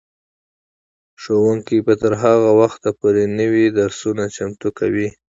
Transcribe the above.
ښوونکي به تر هغه وخته پورې نوي درسونه چمتو کوي.